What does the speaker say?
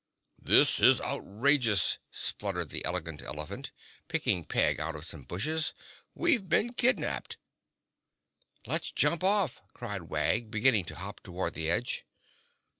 "This is outrageous," spluttered the Elegant Elephant, picking Peg out of some bushes. "We've been kidnapped!" "Let's jump off!" cried Wag, beginning to hop toward the edge.